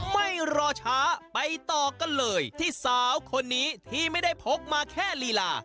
ไม่รอช้าไปต่อกันเลยที่สาวคนนี้ที่ไม่ได้พกมาแค่ลีลา